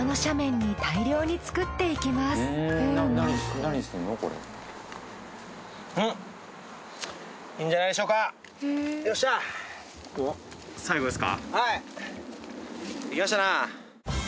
できましたな。